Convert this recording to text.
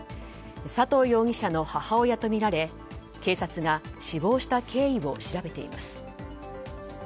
佐藤容疑者の母親とみられ警察が死亡した経緯を調べています。